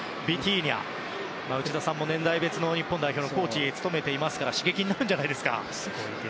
内田さんも年代別の日本代表のコーチを務めていますから刺激になるんじゃないですか？